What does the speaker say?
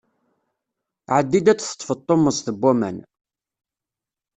Ɛeddi-d ad d-teṭṭfeḍ tummeẓt n waman.